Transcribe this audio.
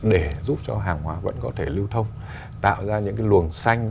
để giúp cho hàng hóa vẫn có thể lưu thông tạo ra những cái luồng xanh